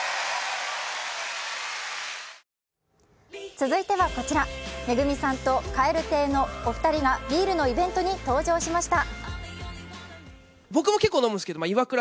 続いてはこちら、ＭＥＧＵＭＩさんと蛙亭のお二人がビールのイベントに登場しました。